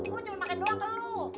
gue cuma makan doang ke lo